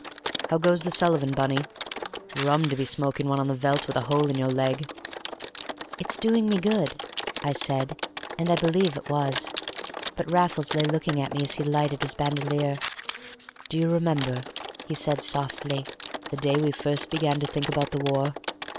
How goes the Sullivan, Bunny? Rum to be smoking one on the veldt with a hole in your leg!" "It's doing me good," I said, and I believe it was. But Raffles lay looking at me as he lightened his bandolier. "Do you remember," he said softly, "the day we first began to think about the war?